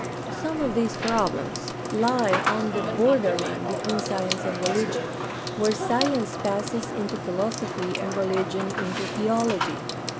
Some of these problems lie on the borderland between science and religion, where science passes into philosophy and religion into theology.